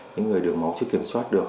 những người được máu chưa kiểm soát được